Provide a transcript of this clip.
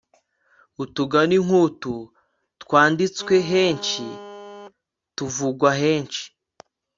utugani nk'utu twanditswe henshi, tuvugwa henshi